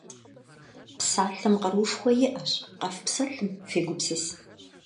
Псалъэм къэруушхуэ иӏэщ, къэфпсэлъым фегупсыс.